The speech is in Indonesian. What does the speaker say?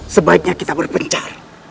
sebaiknya kita berpencar